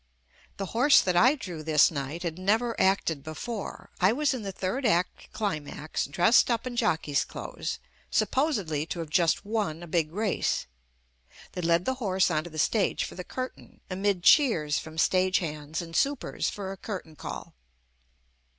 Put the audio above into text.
The horse that I drew this night had never acted before. I was in the third act climax, dressed up in jockey's clothes, supposedly to have just won a big race. They led the horse onto the stage for the curtain, amid cheers from stagehands and supers for a curtain call.